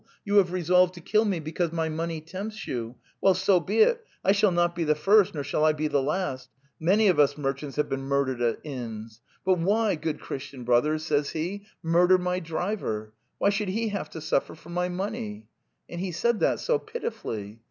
you have resolved to kill me because my money tempts you. Well, so be it; I shall not be the first nor shall I be the last. Many of us merchants have been murdered at inns. But why, good Christian brothers,' says he, ' murder my driver? Why should he have to suffer for my money?' And he said that so pitifully!